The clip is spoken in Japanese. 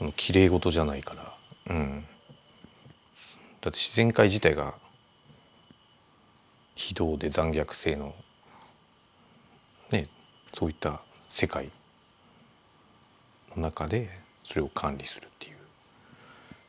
だって自然界自体が非道で残虐性のそういった世界の中でそれを管理するっていう。